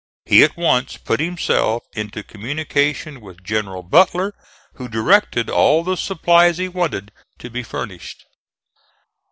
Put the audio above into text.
He at once put himself into communication with General Butler, who directed all the supplies he wanted to be furnished.